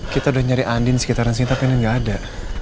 kita udah nyari andien sekitaran sini tapi ini gak ada